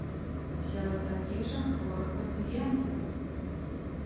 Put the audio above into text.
Сярод такіх жа хворых пацыентаў!